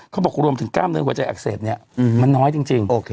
เขาบอกรวมถึงกล้ามเนื้อหัวใจอักเสบเนี่ยมันน้อยจริง